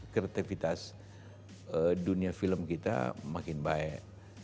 kreativitas dunia film kita makin baik